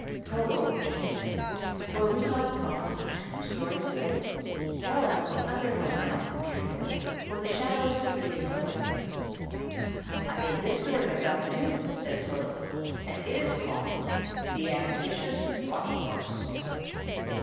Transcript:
"Toto," she said, "were we not promised two stories to day? Tell us the other one now, dear boy, for the shadows are beginning to lengthen." "I made this story myself, too," said Toto, "and it is called THE AMBITIOUS ROCKING HORSE.